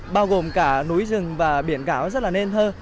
bao gồm cả núi rừng và biển gáo rất là nền thơ